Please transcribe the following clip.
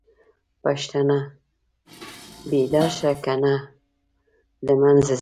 پښتونه!! بيدار شه کنه له منځه ځې